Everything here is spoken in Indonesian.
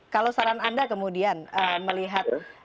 kalau saran anda kemudian melihat